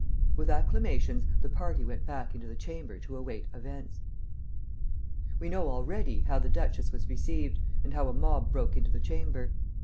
With acclamations, the party went back into the Chamber to await events. We know already how the duchess was received, and how a mob broke into the Chamber.